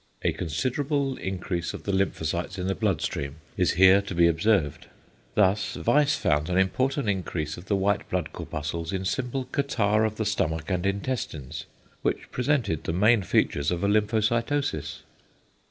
A considerable increase of the lymphocytes in the blood stream is here to be observed. Thus Weiss found an important increase of the white blood corpuscles in simple catarrh of the stomach and intestines, which presented the main features of a lymphocytosis.